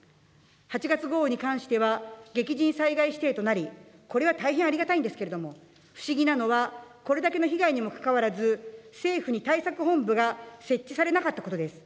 ８月豪雨に関しては、激甚災害指定となり、これは大変ありがたいんですけれども、不思議なのは、これだけの被害にもかかわらず、政府に対策本部が設置されなかったことです。